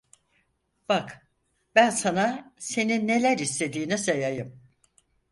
Bak, ben sana, senin neler istediğini sayayım: